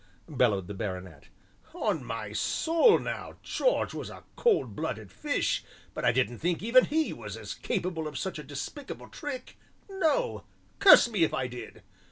bellowed the baronet; "on my soul now, George was a cold blooded fish, but I didn't think even he was capable of such a despicable trick no curse me if I did!